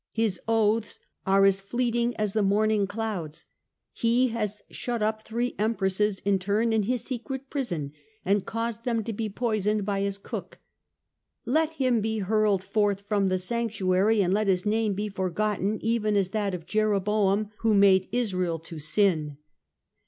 His oaths are as fleeting as the morning clouds. He has shut up three Empresses in turn in his secret prison and caused them to be poisoned by his cook. " Let him be hurled forth from the sanctuary, and let his name be forgotten, even as that of Jeroboam who made Israel to sin."